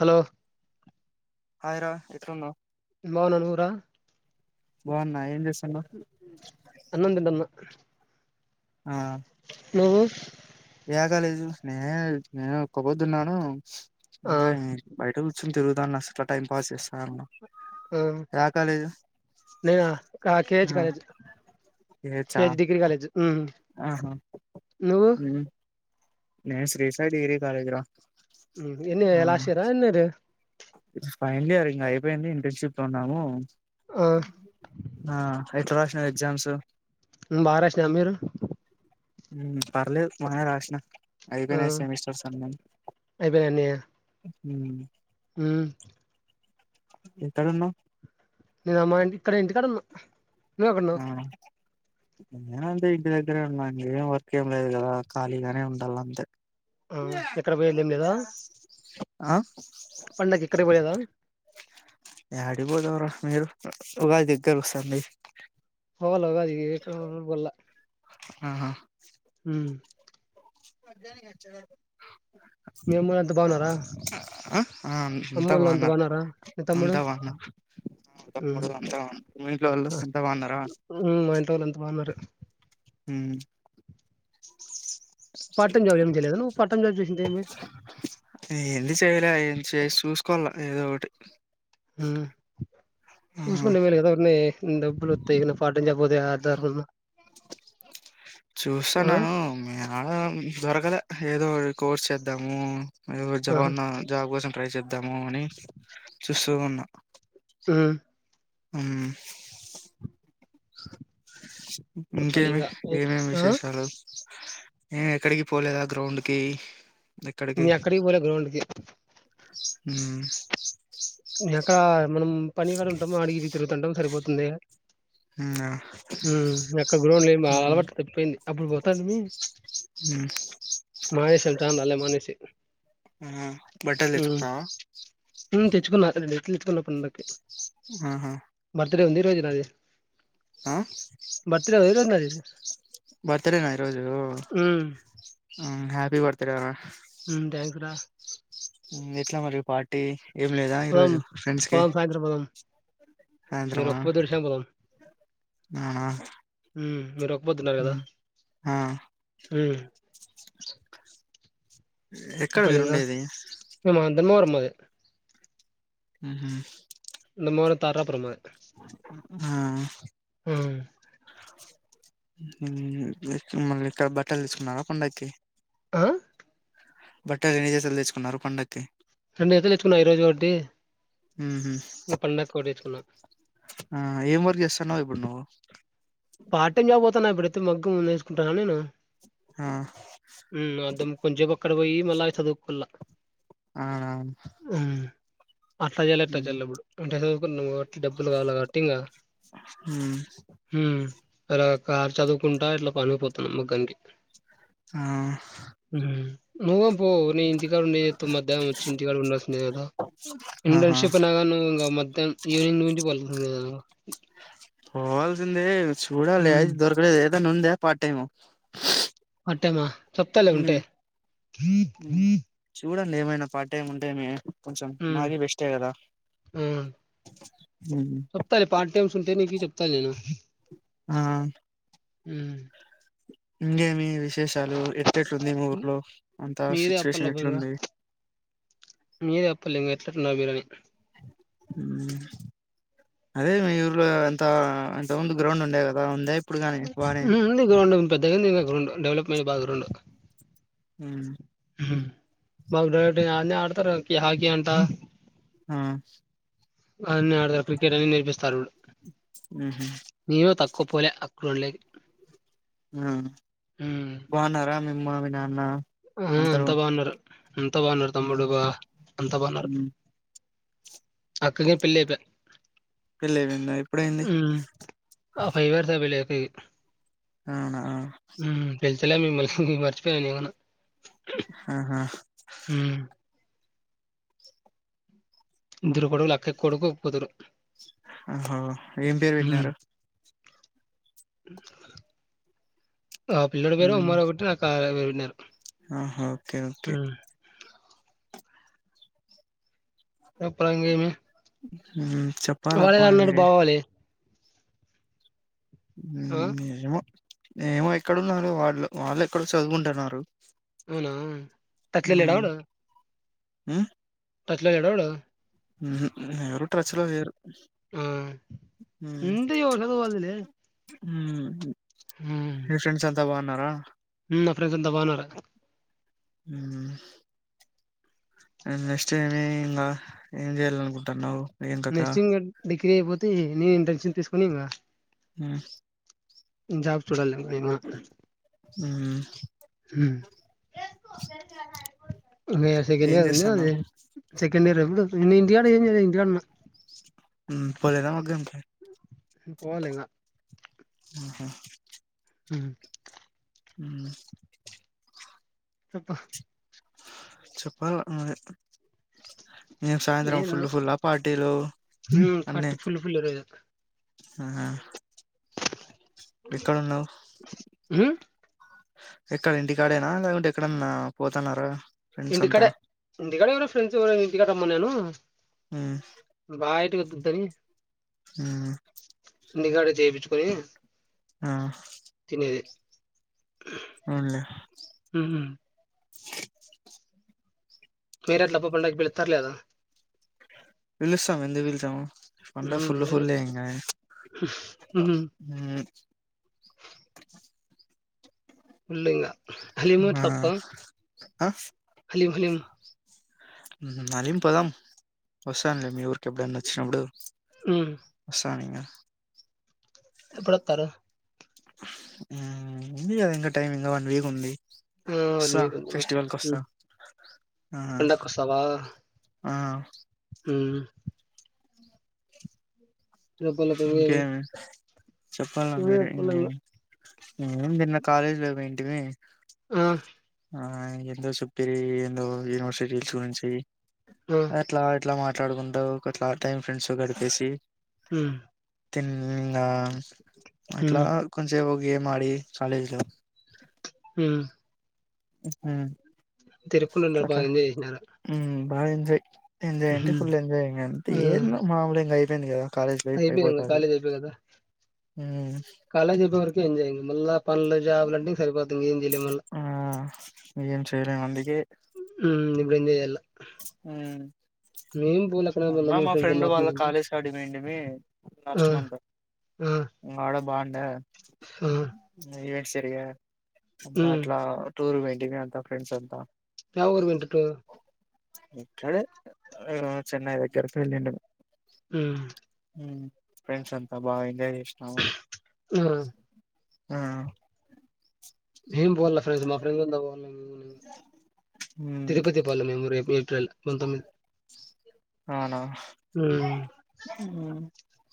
Hello హాయరా ఎక్కడఉన్నావ్ బవ నన్నూరా బాగున్నా ఏం చేస్తున్నావ్ అన్నంతంటన్న ఆ నువు ఏ కాలదు నే నేను ఒక్కపోద్దున్నాను ఇ ఆ బయట కూ వచ్చుని తెలుగు అ న్నాట టైం ప చేస్తాన్నా ఆ ననా కేజ ఆ కే ఏ చా కే డిగ్రీ కాలేజ్ ఆహా నువ్వు నేను శ్రీశా డిగ్రీ కాలేజ్ రా ఎన్ని ఎలా ఆశీరా ఎన్నది ఫైనలీ అ ఇంకా అయిపోయింది ఇంటర్న్షిప్ లో ఉన్నాము ఆ ఆ ఇ రాష్ట ఎగ్జామ్స్ బారష్ర న మీరు హమ్ పర్లేదు మన ప్రషిన ఆ అయిపోనై సెమిస్టర్ అన్ని అయిపోయినా అన్ని ఉమ్ ఉమ్ ఎక్కడ ఉన్నావ్? నేనమ్మా ఇంటి ఇక్కడే ఇంటికాడున్న ఆను నేన అంతే ఇంటి దగ్గరే ఉన్నాంకేం వర్క్ ఏం లేదు కదా, ఖాళీగానే ఉండాలంతే ఆ ఎక్కడ పోయేదెం లేదా ఆ పండక్కి ఎక్కడ పోలేద యాడిబోదంర మీరు ఉగాది దగ్గరోస్తాంది. పోవాల్ల ఉగాదికి బొల్ల ఆహా మధనిచ్చ మీ అమ్మోళ్ళు అంతా బాగున్నారా? ఆ ఆ అం తా అమ్మోళ్ళు అంతా బాగున్నారు, బాగున్నారా మీ తమ్ముడు అంతా బాగున్నారు. ఉమ్ అంతా మీ ఇంట్లో ఓళ్ళు అ అంత బాగున్నారా? ఉమ్ మా ఇంట్లో వాళ్ళు అంతా బాగున్నారు ఉమ్ పార్ట్ టైం జాబ్ ఏం చేయలేదా నువ్వు, పార్ట్ టైం జాబ్ చసిందే ఏమి టీవీలా ఏం చేసి చూసుకోల్ల, ఏదో ఒకటి ఉమ్ [unintelligible] ఆ డబ్బులు వత్తయ్ ఇన ఫార్ ఆ చూస్తాన్నాను మీ ఆడ దొరకలే, ఏదో కోర్స్ చేద్దాము ఏదో ఒకటి ఆహా జాబన్న జాబ్ కోసం ట్రై చే ఇద్దాము అని చూస్తూ ఉన్నా. ఉమ్ ఉమ్ చెప్పాలి ఇంకేమి, ఇంగా ఏమేమి ఆ విశేషాలు. ఏం ఎక్కడికి పోలేదా గ్రౌండ్కి నీ ఎక్కడికి పోలే గ్రౌండ్కి ఉమ్ మీయక్కా మనం పనిగాడ ఉంటము, అడిగిడిగి తిరుగుతుంటం సరిపోతుంది. అవునా ఉమ్ మీ అక్క గ్రౌండ్ లే ఉమ్, అలవాటు తప్పిపోయింది. అప్పుడు పో తను మీ ఉమ్, మహేశ యెల్తనలేమనేసి ఆహా బట్టలు తెచ్చుకున్నావా ఉంతే గున్న అతని నెట్లు తెచ్చుకున్నాం ఆహా బర్త్డే ఉంది ఈ రోజునాది ఆ నాది బర్త్డేనా ఈరోజు ఉమ్ హ్యాపీ బర్త్ బర్త్డే వ థ్యాంక్స్ రా ఎట్లా మరి పార్టీ ఏం లేదా పోదాం ఈరోజు ఫ్రెండ్స్కి పోదాం సాయంత్రం పోదాం మీరు సాయంత్రమా ఒక్క పొద్దు ఏడిసినా పోదాం నావునా ఉమ్ మీరు ఒక్ పోతున్నారు కదా హు ఎక్కడ మీరుండేది నెల్లు వర్మదే ఉహు దాని ముంగడ తారపురము మాది ఆ హ్మ్ మళ్ళీ ఇక్కడ బట్టలు తీసుకున్నారా పండక్కి ఆ బట్టలు ఎన్ని జతలు తెచ్చుకున్నారు పండక్కి రెండు జతలు తెచ్చుకున్నా ఈరోజు ఒకటి ఉహు. ఇంక పండక్కి ఒకటి తెచ్చుకున్నా ఆ ఏం వర్క్ చేస్తున్నావు ఇప్పుడు నువ్వు పార్ట్ టైం జాబ్ వోత్ తన ఇప్పుడైతే మగ్గము నేసుకుంటానా నేను ఆ ఉ అద్దం కొంచేపు అక్కడ పోయి మళ్ళా చదువుకుల్ల ఆడా అట్ల జేయాల ఇట్ల జేయాల ఇప్పుడు ఇంటర్ సదు నువ్వ డబ్బులు కావాల కావట్టి ఇంగ ఉమ్, హు అలా కారు చదువుకుంటా ఇట్లా పనిపోతున్నాం మగ్గనికి ఆ నువ్వు పో నే ఇంటికాడ ఉండి ఏం చేత్తం మధ్యాహ్నం వచ్చి ఇంటికాడ ఉండాల్సిందే కదా ఆహా ఇంటర్న్షిప్ అయినా గాని ఇక మ తను ఈవెనింగ్ నుంచి పలుకుతంలేదు పోవాల్సింది చూడాలి [unintelligible] దొరకలేదు ఏదైన ఉంద పార్ట్ టైము పార్ట్ టైమా చెప్తాలే ఉంటే చూడండి ఏమైనా పార్ట్ టైమ్ ఉంటేనే చెప్తాలే పార్ట్ టైమ్స్ ఉంటే నీకి చెప్తా నేను ఆ హ్మ్ ఇంకేమి విష్ విశేషాలు ఎట్టెట్టుంది ఊర్లో అంత మీరే అప్పల్ల సిట్యువేషన్ ఇంగా ఎట్లుంది అట్లాగే గాని అదే మీ ఊర్లో అంత అంత ముందు గ్రౌండ్ ఉండే కదా ఉందా ఇప్పుడు గాని బానే హ్మ్ ఉంది గ్రౌండ్ పెద్ద గుంది గ్రౌండ్ డెవలప్మెంట్ బాగా గ్రౌండ్ హ్మ్ మా ఊళ్ళో అన్నే ఆడతరు హాకీ అంట హ్మ్ అన్నీ ఆడతారు క్రికెట్ అని నేర్పిస్తారు ఊహూ ఒప్పుకోలే అక్కడోళ్ళ్ హ్మ్ బావున్నారా మీ అమ్మా మీ నాన్న ఆ అందరూ అంతా బావున్నారు అంతా బావున్నారు తమ్డుబా అంతా బావున్నారు అక్కకి పెళ్ళైపే పెళ్ళైపోయింది హ్మ్ ఆ ఫైవ్ అయిపోయింది అయిపోయి అవునా చెల్లెమ్మని మరి మర్చిపోయానేమన్న ఆహా ఇద్దరు కొడుకులు అక్క కొడుకు కూతురు ఆహా ఏం పేరు ఉమ్ పెట్టినారు ఆ పిల్లడి పేరు హ్మ్ ఉమారావు [unintelligible] ఆహా ఓకే ఓకే చెప్పుంగమ మ్ వాళేద అన్నాడు బావాలి ఆ మ్ ఎమో ఏమో ఎక్కడున్నారు వాళ్ళు, వాళ్ళు ఎక్కడ చదువుకుంటున్నారు. అవునా తత్లే లేడవడా మ్ పచ్చలో లేడా వాడు మ్ హు ఎవరు ట్రచలో లేరు మ్ ఎంతోషదు పోదులే ఉ మీ ఫ్రెండ్స్ ద్దా బా అన్నారా మ్ ఫ్రెండ్స్ అంత బాగున్నారా మ్ నెక్స్ట్ ఏమి ఇంకా ఏం చెయ్యాల అనుకుంటావ్ నెక్సటింగ్ నే తర అయిపోతే నేను టెన్షన్ తీసుకొని ఇంకా మ్ హు జాబ్ చూడలమ్ యేమొ మ్మ్ హు వేస్త గని అది ఎన్నొది చెక్ మీరు ఎప్పుడు వస్తార్, నేన్ ఇంటికాడ యేం జెయల ఇంటికాడ ఉన్న మ్మ్ పోలేరమ్మ మగ్గం కి హు పోవాలింగ ఆహ హు మ్మ్ చెప్ప చప్పల నువ్వె నిన్ సాయంత్రం ఏం లేదు ఫుల్ ఫుల్ ఆ పార్టీలు హ్మ్ అన్ని ఫార్టీ ఫుల్ ఫుల్ ఈరోజు ఆహ హు ఎక్కడ ఇంటికాడేన లేకుంటె ఎక్కడన్నా పోతన్నారా ఫ్రెండ్స్ అంతా ఇంటిఖడె ఇంటికాడె గూడ ఫ్రెండ్స్ గూడ ఇంటికాడ రమ్మన్నేను మ్మ్ బాయైటికొద్ వద్దని హుమ్ ఇంటికాడ చేపిచ్చుకొనీ ఆహ్ తినేదె హు హుమ్ ఏదో మ్యూజిక్ ఉంది అర్థం కాలేదు మీరెట్లబ్బ పండక్కి పిలుత్తరా లేదా పిలుస్తామ్ ఎందుకు పిల్చము, పండగ ఉమ్, ఫుల్ అదే ఫుల్ యె ఇంగ ఉహు. హుమ్ పుల్లింగా ఆ [unintelligible] ఆ హలిమ్ హలిమ్ హు హలీమ్ పోదాం వస్తాన్లె, మీ ఊరికి ఎప్పుడన్న వచ్చినప్పుడు వస్తానింగ గప్ చిప్ ఎప్పుడొత్తారు హుమ్ ఉంది గద, యింక టైమ్ యింక వన్ వీక్ ఉంది. ఆ వస్తా నీకెందుకు ఫెస్టివల్ కొస్తా హుమ్మ్, పండక్కొస్తవా ఆహ్ ఉహు రేపల్ల పెళ్ళి. ఇంకేమి చెప్పాలా నువ్వే మీరే చెప్పాలి ఇంకా. ఇం నిన్న కాలేజ్ లో అవేంటివి ఆ, ఆహా ఏందో సుపిరి ఎందో యూనివర్సిటీస్ గురించి ఆ. ఎట్లా ఎట్లా మా మాట్లాడుకుంటావు గట్లా టైం ఫ్రెండ్స్తో గడిపేసి ఉమ్, తినీ ఇంగ అట్లా ఉమ్, కొంచెసేపు గేమ్ ఆడి కాలేజ్ల హ హహా తిరుగుకుంటు బాగా ఎంజాయ్ చేసినాలే ఉమ్ బాగా ఎంజాయ్ ఎంజాయ్ అంటే ఫుల్ ఎంజాయ్ ఇంగ అంతే ఏ మామూలు ఇంగా అయి పోయింది కదా కాలేజ్ లైఫ్ అయిపోంగా అయిపోతది కాలేజ్ అయిపో కదా కాలేజ్ అయిపో వరకే ఎంజాం మళ పంలే జాబ్లంట సరిపోతం ఏం జలి మల టేర వందందికి హ నిగ్రంద ఎల్ పూల్ అక్కడ మొన్న మళ్ళ మేం మా ఫ్రెండ్స్ ఫ్రెండ్ వాళ్ళ కాలేజ అడిమండి అ ఆ లాస్ట్ ఆ మంతంత్డ బాగుండ ఆ సరియా అంత మ్ అట్లా టూర్ వెంటన్యూంత ఫ్రెండ్స్ అంత వ ఊరుమంటట్ ఇక్కడే ఆ చెన్నై దగ్గరకు వెళ్ళిండు ఆహా ఫ్రెండ్స్ అంతా బాగా ఎంజాయ్ చేసినాము ఆ అ ఆ ఏమ్ బోల్ ఫ్రడ్ మా ఫ్రడ్ బ హ్మ్ తిరుపతి పాల మమోరి క కొంత మీ అవునా ఆ హ్మ్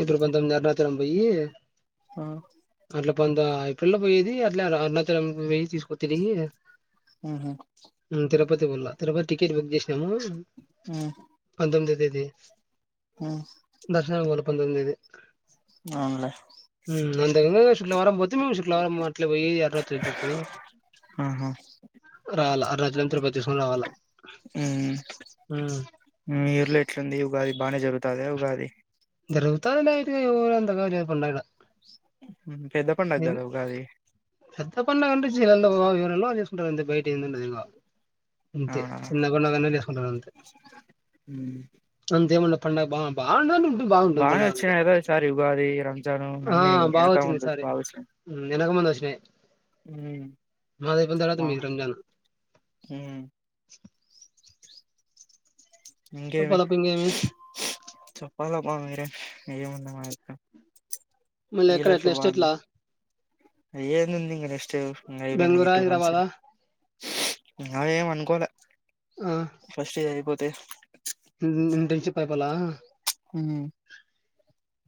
ఇప్పుడు పంతొమిది ఎ అర్నా తరం పోయి ఆ ట్ ఇక్కడలో పోయేది అట్లా వె తీ తరిగి ఊహూ త బ పో త టటిట్ బుక్ చే మ హ్మ్ పంతమిదిది హ్మ్ దర్శన పంద ఇది అవునులే అంతక చుట్లవారం పోతే మేము చుట్లవారం అట్ పోయి అర్రాత్రు చూసుకని రాల అత్ర చంద్రపతి హ్మ్. మీరులో ఎట్లంది ఉగాది బాగానే జరుగుతుద ఉగాది ప్రభుత్వానిదైతే ఊరంతా ఉమ్, పెద్ద పండగ [unintelligible] [unintelligible] కదా ఉగాది పెద్ద పండుగ అంటే [unintelligible] చేసుకుంటారంతే బై [unintelligible] అంతే అవునా చిన్నగూనాగానే చేసుకుంటారంతే హ్మ్ అంతేముండ పండగ బా బావు [unintelligible] బాగానే వచ్చినాయి కదా ఈ సారి ఉగాది రంజాను ఆ! అన్నీ వెనక బాగొచ్చింది ఉంది ఈసారి. బాగా వచ్చినయి హ్మ్. ఎనక ముందు వచ్చినయి. మాదయిపోయిన తర్వాత ఉమ్మ్ మీది రంజాన్. ఇంకేమి చెప్పాలప్ప ఇంకేమి తు ప్పాలప్పా మీరే ఏముందో మా [unintelligible] మళ్ళీ ఈ ఎక్కడ లక్షు నెక్స్ట్ బాగుంది ఎట్లా ఏందుందింగ నెక్స్ట్ మ్మ్ అయిపోయింది ఈ బెంగుళూరా, టూ మంత్స్ హైదరాబాదా? అవేం అనుకోలే ఆ! ఫస్ట్ ఇది అయిపో టే [unintelligible] హ్మ్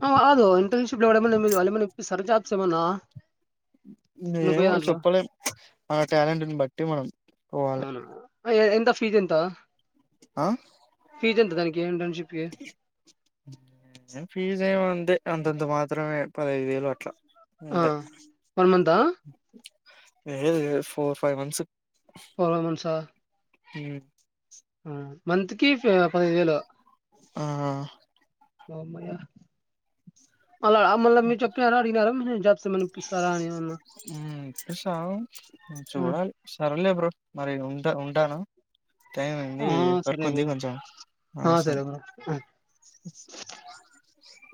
ఆ ఆదో ఇంటర్న్షిప్ లో కూడా [unintelligible] వాళ్లేమన్నా ఇప్పిస్తారా జాబ్స్ తెమన్నా ఏమో చెప్పలేం మన టాలెంట్ ని బట్టి మనం పోవాలి అవునా ఆ ఏ ఎంత ఫీజ్ ఎంత ఆ ఫీజ్ ఎంత దానికి ఇంటర్న్షిప్ కి ఫీస్ ఏం అంతే అంతంత మాత్రమే పదైదు వేలు అట్లా ఆ అంతే వన్ మంతా లేదు [unintelligible] ఫోర్ ఫైవ్ మంత్స్ పోరోమెన్సా హ్మ్ ఆ మంత్ కి ఫి- పదహైదు వేలు ఆ ఓ అమ్మయ్యా అలా మళ్ళ మీ చెప్నారా అడిగినారా మి జాజ్స్ ఏమన్నా ఇప్పిస్తారా అని ఏమన్నా హ్మ్ చూసాం హ్మ్. ఊ చూడాలి సరేలే బ్రో మరి ఉంట ఉంటాను టైం అయ్యిది ఆ, వర్క్ సరే ఉంది బ్రో కొంచెం ఆ సరే